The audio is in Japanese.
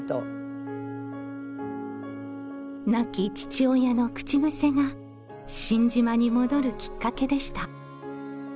亡き父親の口癖が新島に戻るきっかけでした。